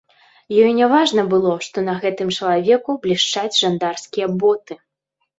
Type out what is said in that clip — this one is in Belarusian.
Ёй не важна было, што на гэтым чалавеку блішчаць жандарскія боты.